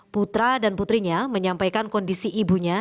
putra dan putrinya menyampaikan kondisi ibunya